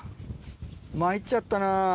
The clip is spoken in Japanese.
参っちゃったな。